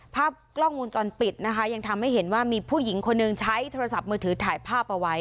ภาพกล้องวงจรปิดนะคะยังทำให้เห็นว่ามีผู้หญิงคนหนึ่งใช้โทรศัพท์มือถือถ่ายภาพเอาไว้